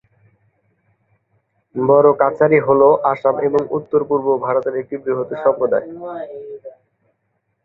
বড়ো-কাছাড়ি হ'ল আসাম এবং উত্তর পূর্ব ভারতের একটি বৃহৎ সম্প্রদায়।